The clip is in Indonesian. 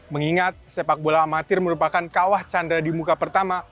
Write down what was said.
mengingat sepak bola amatir merupakan kawah canda di muka pertama